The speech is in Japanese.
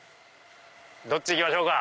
どっち行きましょうか。